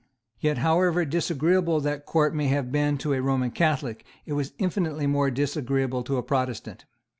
Yet, however disagreeable that Court may have been to a Roman Catholic, it was infinitely more disagreeable to a Protestant.